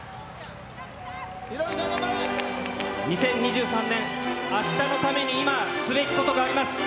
２０２３年、明日のために今、すべきことがあります。